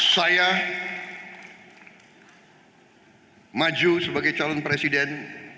saya maju sebagai calon presiden